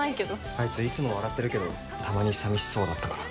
あいつ、いつも笑っているけどたまに寂しそうだったから。